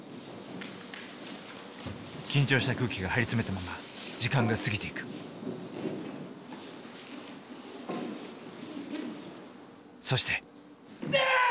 緊張した空気が張り詰めたまま時間が過ぎていくそしてやあっ！